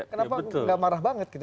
kenapa tidak marah banget